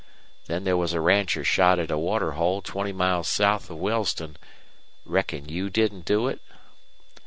Then there was a rancher shot at a water hole twenty miles south of Wellston. Reckon you didn't do it?"